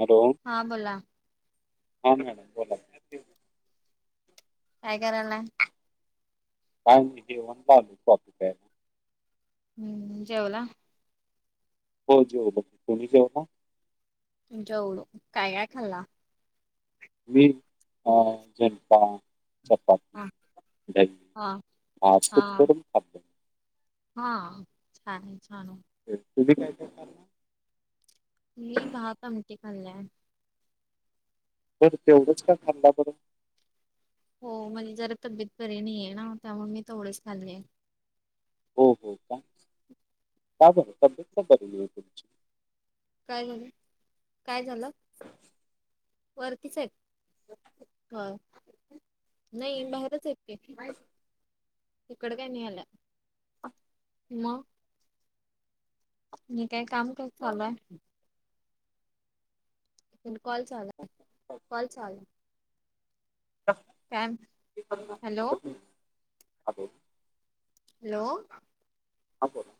Hello, हा बोला हा मॅडम बोला की. काय करालाय. काय नाही. निवांत आम्ही कॉपी प्यायलोय. हम्म, जेवला? हो जेवलो. तुम्ही जेवला? जेवलो, काय-काय खाल्ला? मी अ जनता. चपाती, हा दही, हा आज हा खुस्करून खाललो. हा, छान आहे. छान आहे. तुम्ही काय-काय खाला. मी भात, आमटी. खालाय. बरं, तेवढंच का खाल्ला बरं. हो, म्हणजे जरा तब्येत बरी नाही ना, त्यामुळे मी तेवढच खाल्ले. हो-हो का, का बर तब्येत का बरी नाही तुमची. काय झालं, काय झालं. वरतीच आहेत, होय. नाही. बाहेरच आहेत की. इकडं काय नाही आलं. मग मी काय काम कसं चालू आहे. पण कॉल चालाय, कॉल चालाय. Hello [unintelligible] hello. हा बोला.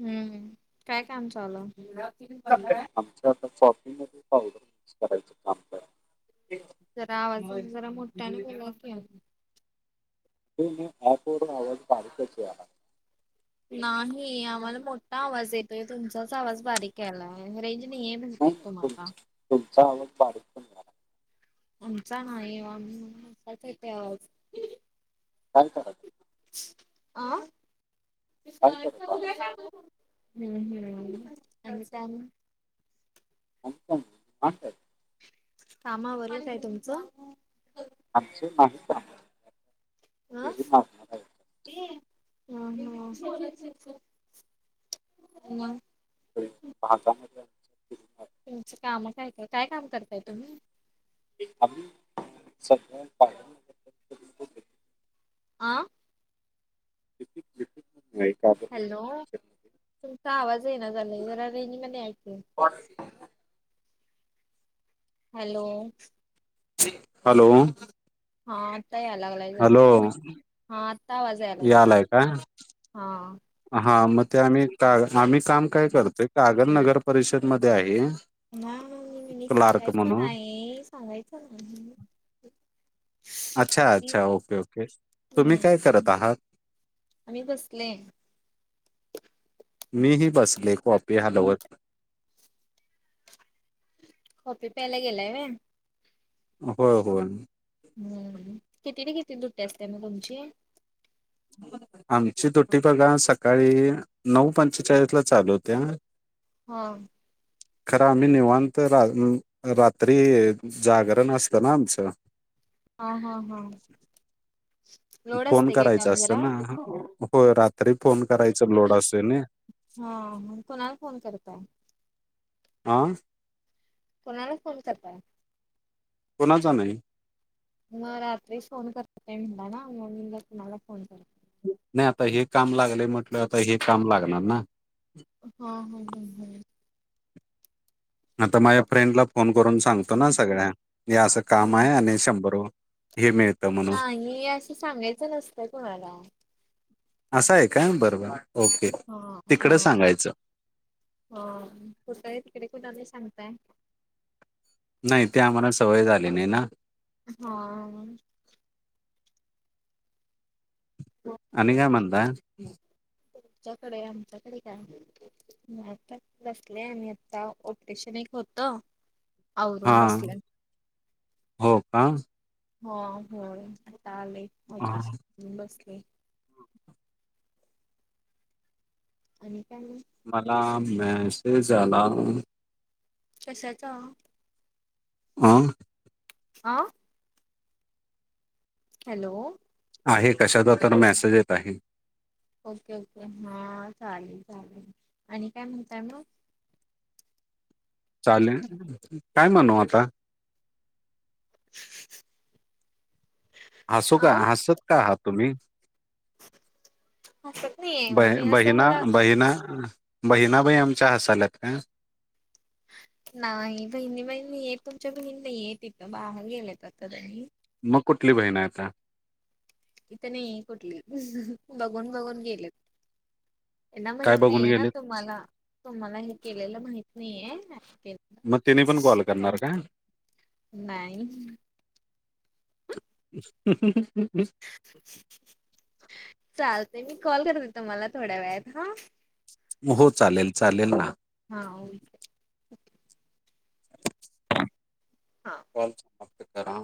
हम्म, काय काम चालू हाय? आमच आता शॉपिंग मध्ये पावडर युज करायचं काम करालोय. जरा आवाज जरा, मोठ्याने बोला की. नाही मी, ॲपवर आवाज बारीकच यायला आहे. नाही, आम्हाला मोठा आवाज येतोय. तुमचाच आवाज बारीक यालाय, रेंज नाही ये म्हणतोय तुम्हाला. तुमचा आवज बारीक पण आमचा नाही ओ, आमचा मोठाच येतोय आवाज. काय करायच? अ. हम्म-हम्म, आणि काय आणि. आणि काय, आणि काय. कामा आवरलं काय तुमचं? आमच नाही काम. अ. ये, हा-हा, मग. भागामध्ये ठीक काय. तुमचं काम काय-काय, काय काम करताय तुम्ही? आमी सगळ पाहिल आ [unintelligible] नाही का हॅलो तुमचा आवाज येणा झालाय जरा रेंज मध्ये या कि [unintelligible] हॅलो हॅलो हा आता यायला लागलाय जरा हा आता आवाज यायलाय बघा हा हा मग ते आम्ही कागल आम्ही काम काय करतोय कागल नगर परिषद मध्ये आहे नाय मिनी मिनी सांगायचं नाही सांगायचं नाही अच्छा आपली अच्छा ओके ओके तुम्ही हम्म काय करत आहात आम्ही बसले मीही बसले कॉपी हालवत काॅपी प्यायला गेलाय व्हय होय होय हम किती ते किती दुट्टी असत्या म तुमची आमची दुट्टी बघा सकाळी नऊ पंचेचाळीस ला चालू हुत्या हा खरं आम्ही निवांत [inaudible] रात्री जागरण असतं ना आमचं हा हा हा लोड फोन असते काय करायच काम जरा असतं ना होय रात्री फोन करायचा लोड असतोय नय हा मग कुणाला फोन करताय आ कुणाला फोन करताय कुणाचा नाही मग रात्री फोन करताय म्हनला मग मी म्हणलं कुणाला फोन करताय नाही आता हे काम लागलय म्हटलो आता हे काम लागणार ना हा ह ह ह आता माझ्या फ्रेंडला फोन करून सांगतो ना सगळ्या की असं काम हा. आहे आणि शंभर रुपये रुपये मिळतं म्हणून नाही असं सांगायचं नसतय कुणाला असं हाय का बरबर हा हा हा कुठ हाय तिकडे कुणाला सांगताय नाही ते आम्हाला सवय झाली नाही ना हा हॅलो [inaudible] आणि काय म्हणताय तुमच्याकडे आमच्याकडे काय आता बसले आणि आता ऑपरेशन एक होत आवरून हा बसल्यात हो का हा हो आता आले आफिस हां, मधून बसले आणि काय मग मला मैसेज आला. कशाचा? आ आ हॅलो आहे, कशाचा तर मेसेज येत आहे. ओके ओके, हा चालेल चालेल आणि काय म्हणताय मग? चालेल, काय म्हणू आता? [inaudible] हसू अ का, हसत का आहात तुम्ही? हसत नाहीये ब मी असं बहिना मला बहिना बहिणाबाई आमच्या हसाल्यात का? नाही बहिणी बाई नाहीयेत तुमच्या बहिनी नाहीयेत इथ बाहेर गेलेत आता त्यांनी मग कुठली बहीण आहे आता? इथं नाही कुठली बघून बघून गेलेत. त्यांना काय माहित बघून नाहीये ना गेलेत तुम्हाला, तुम्हाला हे केलेलं माहित नाहीये ऍड के मग तेनी पण कॉल करणार का? नाही [inaudible] चालते मी कॉल करते तुम्हाला थोड्या वेळात आ. हो चालेल चालेल ना. हा ओई [inaudible] हा कॉल समाप्त करा.